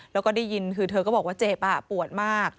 แล้วก็ได้ยินคือเธอก็บอกว่าเจ็บปวดมาก